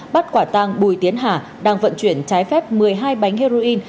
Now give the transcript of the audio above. bắt quả tàng bùi tiến hà đang vận chuyển trái phép một mươi hai bánh heroin